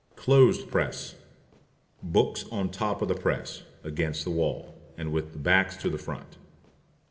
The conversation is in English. CLOTHES PRESS. Books On the top of the Press, against the wall, and with the backs to the front.